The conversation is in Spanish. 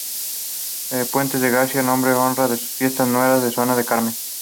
Puentes de García Rodríguez honra en sus fiestas a Nuestra Señora del Carmen.